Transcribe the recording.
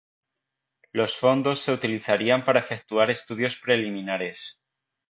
Los fondos se utilizarían para efectuar estudios preliminares.